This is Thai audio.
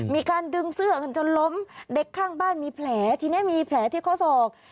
มีการดึงเสื้อกันจนล้มเด็กข้างบ้านมีแผลทีนี้มีแผลที่ข้อศอก